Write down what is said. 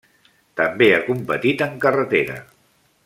També ha competit en carretera.